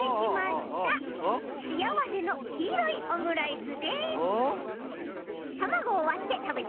しあわせのきいろいオムライス。